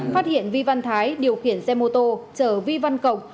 phát hiện vi văn thái điều khiển xe mô tô chở vi văn cộng